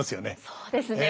そうですね。